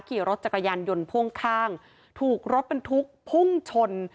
ขี่รถจักรยานยนต์พ่วงข้างถูกรถบรรทุกพุ่งชน